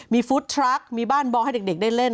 มีฟู้ดทรัคมีบ้านบอลให้เด็กได้เล่น